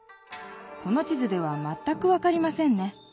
この地図ではまったく分かりませんね。